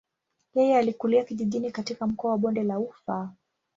Yeye alikulia kijijini katika mkoa wa bonde la ufa.